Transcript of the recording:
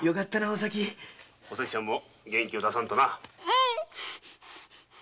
お咲ちゃんも元気を出すんだ。